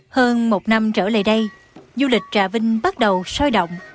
hơn một năm trở lại đây du lịch trà vinh bắt đầu sôi động